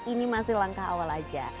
ini masih langkah awal aja